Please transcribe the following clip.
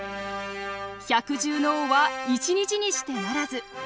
百獣の王は一日にしてならず。